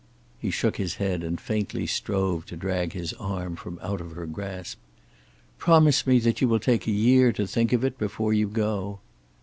He shook his head and faintly strove to drag his arm from out of her grasp. "Promise me that you will take a year to think of it before you go."